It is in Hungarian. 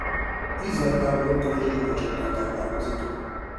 Ízeltlábúakkal és gyümölcsökkel táplálkozik.